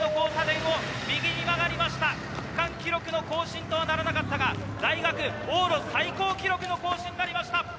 区間記録の更新とはならなかったが、大学往路最高記録の更新になりました。